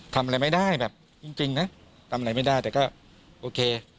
ทำอะไรไม่ได้แบบจริงนะทำอะไรไม่ได้แต่ก็โอเค